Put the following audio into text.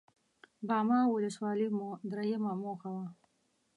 باما ولسوالي مو درېيمه موخه وه.